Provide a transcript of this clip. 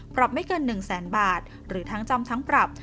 ไม่เกิน๑แสนบาทหรือทั้งจำทั้งปรับ